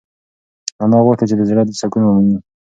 انا غوښتل چې د زړه سکون ومومي.